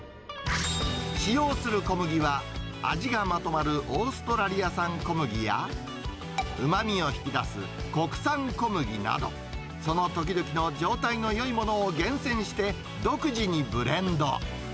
使用する小麦は、味がまとまるオーストラリア産小麦や、うまみを引き出す国産小麦など、その時々の状態のよいものを厳選して、独自にブレンド。